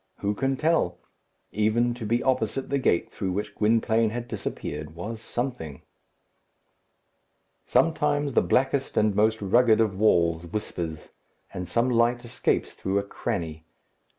Who can tell? Even to be opposite the gate through which Gwynplaine had disappeared was something. Sometimes the blackest and most rugged of walls whispers, and some light escapes through a cranny.